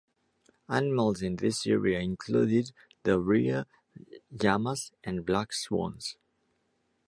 Animals in this area include the rhea, llamas, and black swans.